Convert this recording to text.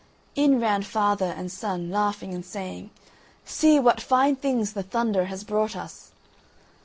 In ran father and son, laughing and saying, "See, what fine things the thunder has brought us!"